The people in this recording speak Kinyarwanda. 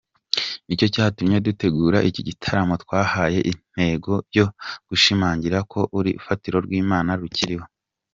Nicyo cyatumye dutegura iki gitaramo twahaye intego yo gushimangira ko urufatiro rw’Imana rukiriho.